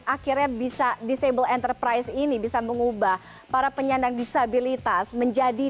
akhirnya bisa disable enterprise ini bisa mengubah para penyandang disabilitas menjadi